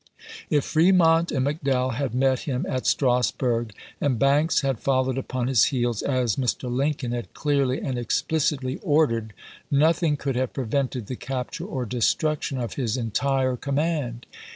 If Fremont and McDowell had met him at Strasbm g, and Banks had followed upon his heels, as Mr. Lincoln had clearly and explicitly ordered, nothing could have prevented the capture or destruction of his entire command.